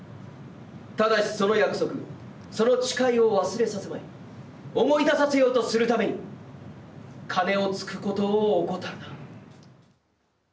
ただし、その約束その誓を忘れさせまい思い出させようとするために鐘を突くことを怠るな。